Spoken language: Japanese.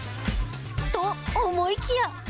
と、思いきや。